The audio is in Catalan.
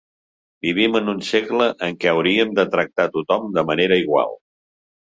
Vivim en un segle en què hauríem de tractar tothom de manera igual.